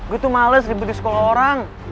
gue tuh males libur di sekolah orang